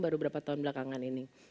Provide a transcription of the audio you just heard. baru berapa tahun belakangan ini